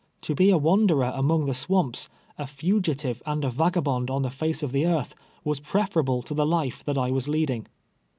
To be a wanderer among the swamps, a fugitive and a vagabond on the face of the earth, was preferable to the life that I was lead ing.